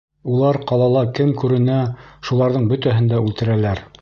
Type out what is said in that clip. Улар ҡалала кем күренә, шуларҙың бөтәһен дә үлтерәләр.